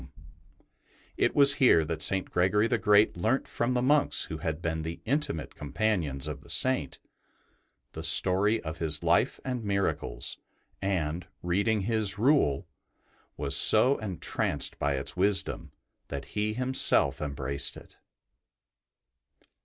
BENEDICT It was here that St. Gregory the Great learnt from the monks who had been the intimate companions of the Saint, the story of his life and miracles, and, reading his Rule, was so entranced by its wisdom that he himself embraced it.